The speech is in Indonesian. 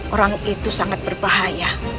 orang itu sangat berbahaya